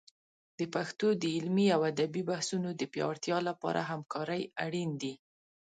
د پښتو د علمي او ادبي بحثونو د پیاوړتیا لپاره همکارۍ اړین دي.